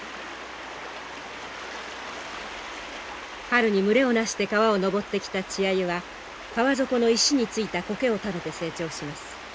春に群れをなして川を上ってきた稚アユは川底の石についた苔を食べて成長します。